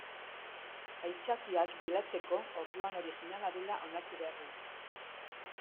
Aitzakiak bilatzeko orduan originala dela onartu behar dut.